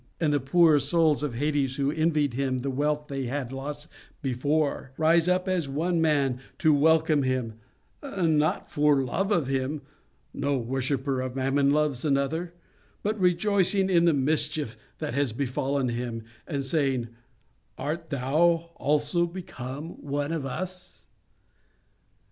And the poor souls of Hades, who envied him the wealth they had lost before, rise up as one man to welcome him, not for love of him—no worshipper of Mammon loves another—but rejoicing in the mischief that has befallen him, and saying, 'Art thou also become one of us?